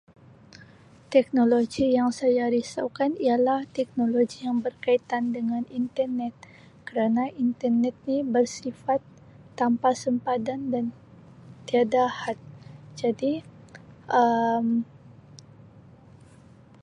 Teknologi yang saya risaukan ialah teknologi yang berkaitan dengan internet kerana internet ni bersifat tanpa sempadan dan tiada had jadi Um